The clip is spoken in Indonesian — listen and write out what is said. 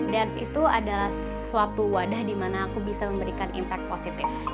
dance itu adalah suatu wadah di mana aku bisa memberikan impact positif